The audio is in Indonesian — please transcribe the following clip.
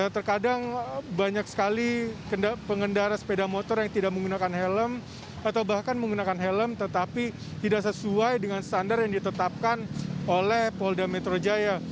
terkadang banyak sekali pengendara sepeda motor yang tidak menggunakan helm atau bahkan menggunakan helm tetapi tidak sesuai dengan standar yang ditetapkan oleh polda metro jaya